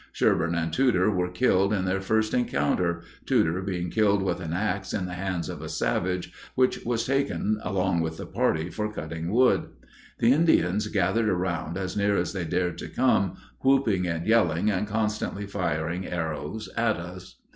Sherburn and Tudor were killed in their first encounter, Tudor being killed with an ax in the hands of a savage, which was taken along with the party for cutting wood. The Indians gathered around as near as they dared to come, whooping and yelling, and constantly firing arrows at us.